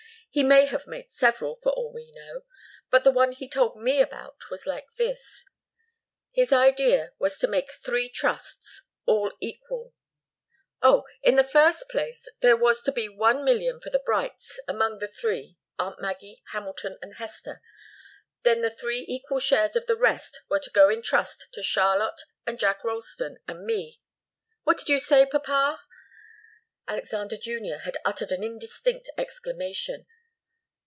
He may have made several, for all we know. But the one he told me about was like this. His idea was to make three trusts, all equal. Oh! in the first place there was to be one million for the Brights, amongst the three, aunt Maggie, Hamilton, and Hester. Then the three equal shares of the rest were to go in trust to Charlotte and Jack Ralston and me what did you say, papa?" Alexander Junior had uttered an indistinct exclamation.